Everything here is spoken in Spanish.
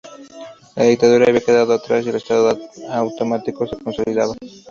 La dictadura había quedado atrás y el estado autonómico se consolidaba.